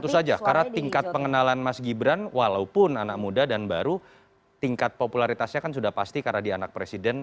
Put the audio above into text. tentu saja karena tingkat pengenalan mas gibran walaupun anak muda dan baru tingkat popularitasnya kan sudah pasti karena di anak presiden